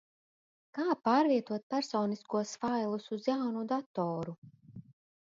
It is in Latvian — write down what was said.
Kā pārvietot personiskos failus uz jaunu datoru?